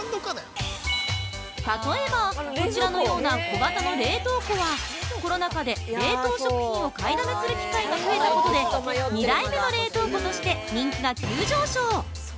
例えば、こちらのような小型の冷凍庫は、コロナ禍で冷凍食品を買いだめする機会が増えたことで、「２台目の冷凍庫」として人気が急上昇。